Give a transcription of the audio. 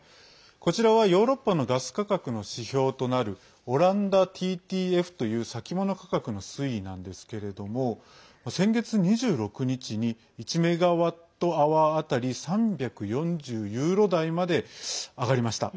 こちらはヨーロッパのガス価格の指標となるオランダＴＴＦという先物価格の推移なんですけれども先月２６日に１メガワットアワー当たり３４０ユーロ台まで上がりました。